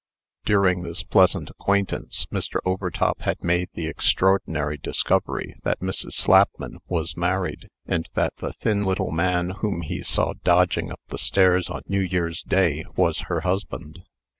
During this pleasant acquaintance, Mr. Overtop had made the extraordinary discovery that Mrs. Slapman was married, and that the thin little man whom he saw dodging up the stairs on New Year's day was her husband.